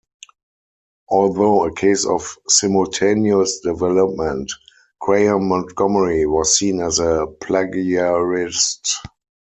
Although a case of simultaneous development, Graham-Montgomery was seen as a plagiarist.